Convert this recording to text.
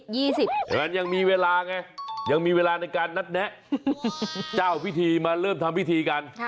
เพราะฉะนั้นยังมีเวลาไงยังมีเวลาในการนัดแนะเจ้าพิธีมาเริ่มทำพิธีกัน